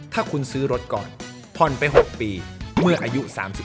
ถ้าคุณซื้อรถก่อนผ่อนไป๖ปีเมื่ออายุ๓๒